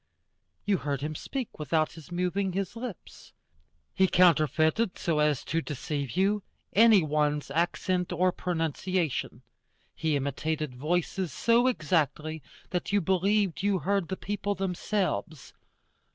You heard him speak without his moving his lips. He counterfeited, so as to deceive you, any one's accent or pronunciation. He imitated voices so exactly that you believed you heard the people themselves.